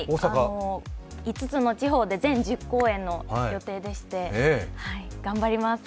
５つの地方で全１０公演の予定でして、頑張ります。